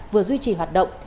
vừa duy trì hoạt động